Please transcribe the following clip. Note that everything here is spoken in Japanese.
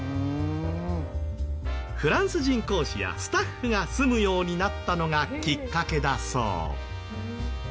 フランス人講師やスタッフが住むようになったのがきっかけだそう。